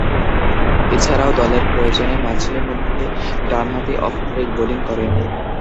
এছাড়াও দলের প্রয়োজনে মাঝে-মধ্যে ডানহাতি অফ ব্রেক বোলিং করেন।